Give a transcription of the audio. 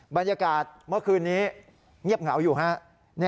บรรยากาศเมื่อคืนนี้เงียบเหงาอยู่ฮะ